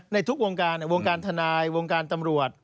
ในทุกวงการวงการทนายวงการตำรวจ